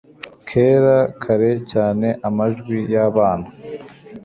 kera, kare cyane amajwi yabana